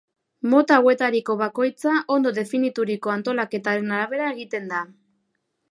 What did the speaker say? Mota hauetariko bakoitza ondo definituriko antolaketaren arabera egiten da.